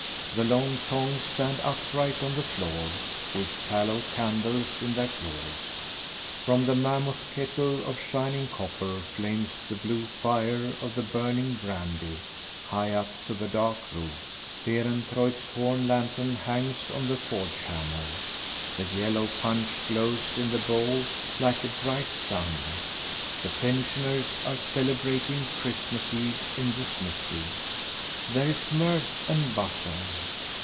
The long tongs stand upright on the floor, with tallow candles in their claws. From the mammoth kettle of shining copper flames the blue fire of the burning brandy, high up to the dark roof. Beerencreutz's horn lantern hangs on the forge hammer. The yellow punch glows in the bowl like a bright sun. The pensioners are celebrating Christmas eve in the smithy. There is mirth and bustle.